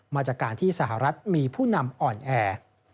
มาจากการที่สหรัฐมีผู้นำอ่อนแอ